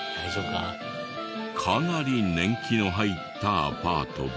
かなり年季の入ったアパートで。